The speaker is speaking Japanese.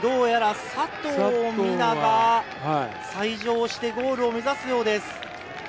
佐藤水菜が再乗してゴールを目指すようです。